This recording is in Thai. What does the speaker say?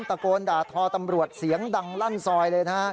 ตะโกนด่าทอตำรวจเสียงดังลั่นซอยเลยนะฮะ